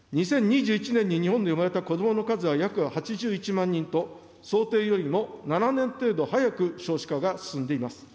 ２０２１年に日本で生まれた子どもの数は約８１万人と、想定よりも７年程度、早く少子化が進んでいます。